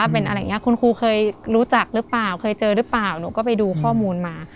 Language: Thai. เป็นอะไรอย่างนี้คุณครูเคยรู้จักหรือเปล่าเคยเจอหรือเปล่าหนูก็ไปดูข้อมูลมา